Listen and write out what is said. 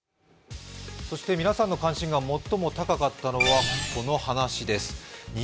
皆さんの関心が最も高かったのはこの話です。